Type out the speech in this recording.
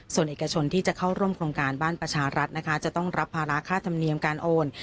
ส่วนเอกชนที่จะเข้าร่วมโครงการบ้านประชารัฐนะคะจะต้องรับภาระค่าธรรมเนียมการโอน